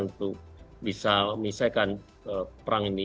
untuk bisa menyelesaikan perang ini